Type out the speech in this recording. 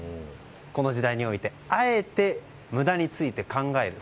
この時代においてあえて無駄について考える。